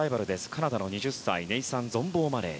カナダの２０歳ゾンボーマレー。